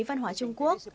văn hóa trung quốc